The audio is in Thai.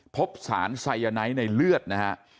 พบสารไซยาไนท์ในเลือดนะฮะ